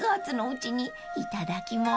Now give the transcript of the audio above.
汁をいただきます。